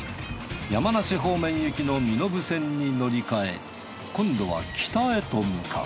山梨方面行きの身延線に乗り換え今度は北へと向かう